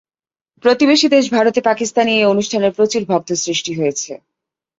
প্রতিবেশী দেশ ভারতে পাকিস্তানি এই অনুষ্ঠানের প্রচুর ভক্ত সৃষ্টি হয়েছে।